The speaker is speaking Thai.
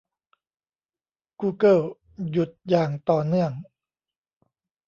กูเกิลหยุดอย่างต่อเนื่อง